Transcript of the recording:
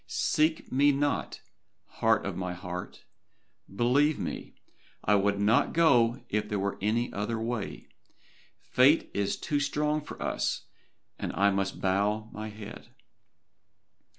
Seek me not, heart of my heart. Believe me, I would not go if there were any other way. Fate is too strong for us, and I must bow my head.